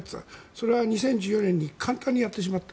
それは２０１４年に簡単にやってしまった。